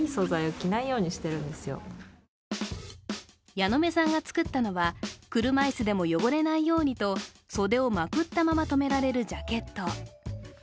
矢野目さんが作ったのは車椅子でも汚れないようにと袖をまくったまま止められるジャケット。